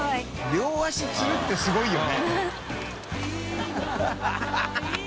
両足つるってすごいよね。